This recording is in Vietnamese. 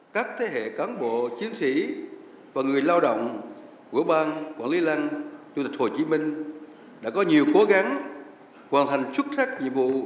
các thế hệ cán bộ chiến sĩ và người lao động của bang quản lý lăng chủ tịch hồ chí minh đã có nhiều cố gắng hoàn thành xuất sắc nhiệm vụ